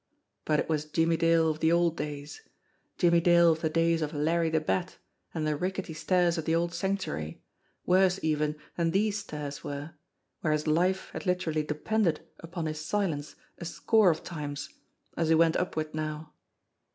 But it was Jimmie Dale of the old days, Jimmie Dale of the days of Larry the Bat and the rickety stairs of the old Sanctuary, worse even than these stairs were, where his life had literally depended upon his silence a score of times, as he went upward now.